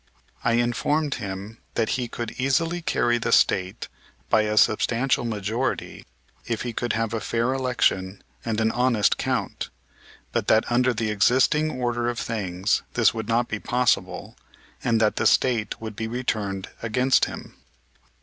I informed him that he could easily carry the State by a substantial majority if we could have a fair election and an honest count; but that under the existing order of things this would not be possible, and that the State would be returned against him.